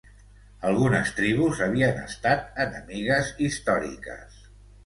Algunes tribus havien estat enemigues històriques.